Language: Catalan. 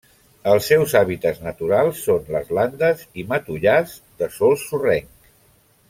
Els seus hàbitats naturals són les landes i matollars de sòl sorrenc.